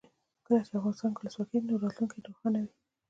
کله چې افغانستان کې ولسواکي وي راتلونکی روښانه وي.